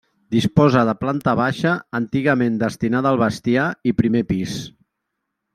Disposa de planta baixa, antigament destinada al bestiar, i primer pis.